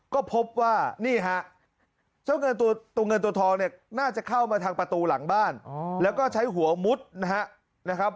ก็พบว่านี่ฮะเจ้าเงินตัวเงินตัวทองเนี่ยน่าจะเข้ามาทางประตูหลังบ้านแล้วก็ใช้หัวมุดนะครับ